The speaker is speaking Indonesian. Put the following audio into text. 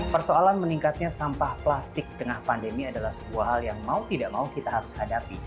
persoalan meningkatnya sampah plastik di tengah pandemi adalah sebuah hal yang mau tidak mau kita harus hadapi